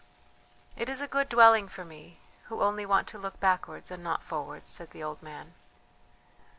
"It is a good dwelling for me, who only want to look backwards and not forwards," said the old man.